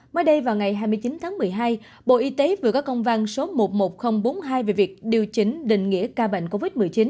mới đây vào ngày hai mươi chín tháng một mươi hai bộ y tế vừa có công văn số một mươi một nghìn bốn mươi hai về việc điều chỉnh định nghĩa ca bệnh covid một mươi chín